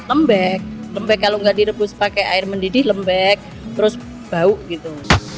lembek lembek kalau nggak direbus pakai air mendidih lembek terus bau gitu